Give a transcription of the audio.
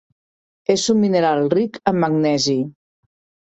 És un mineral ric en magnesi.